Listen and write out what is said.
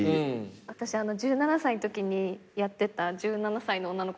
私１７歳のときにやってた１７歳の女の子の役。